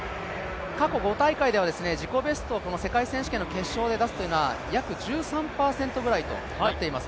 過去５大会では自己ベストを世界選手権の決勝で出すというのは約１３％ぐらいとなっています。